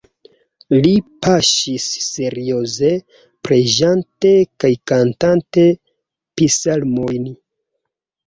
Li paŝis serioze preĝante kaj kantante psalmojn.